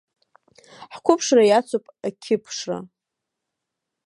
Ҳқәыԥшра иацуп ақьыԥшра.